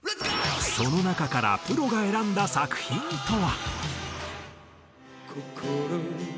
その中からプロが選んだ作品とは？